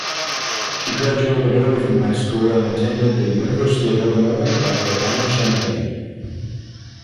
She graduated early from high school and attended the University of Illinois at Urbana-Champaign.